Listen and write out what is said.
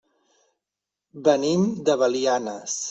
Venim de Belianes.